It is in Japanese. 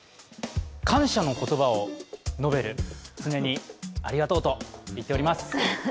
感謝の言葉を述べる常にありがとうといっております。